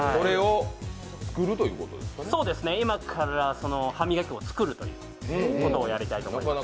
今から歯磨き粉を作るというものをやりたいと思います。